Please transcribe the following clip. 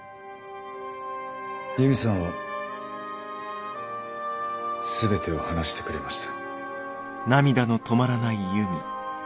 悠美さんは全てを話してくれました。